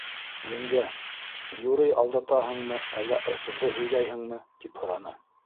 — Еңгә, юрый алдатаһыңмы әллә ысынды һөйләйһеңме? — тип һораны.